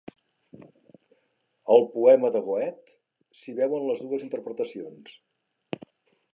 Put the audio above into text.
Al poema de Goethe s'hi veuen les dues interpretacions.